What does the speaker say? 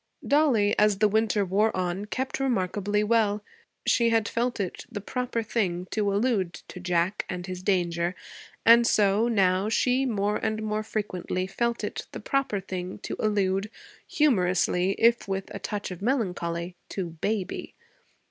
Dollie, as the winter wore on, kept remarkably well. She had felt it the proper thing to allude to Jack and his danger; and so, now, she more and more frequently felt it the proper thing to allude, humorously, if with a touch of melancholy, to 'baby.'